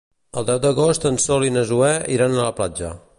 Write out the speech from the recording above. El deu d'agost en Sol i na Zoè iran a la platja.